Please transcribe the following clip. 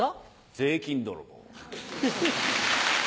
税金泥棒。